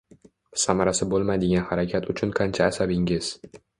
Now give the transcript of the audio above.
Samarasi bo’lmaydigan harakat uchun qancha asabingiz